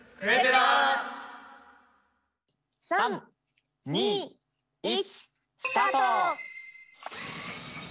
３２１スタート！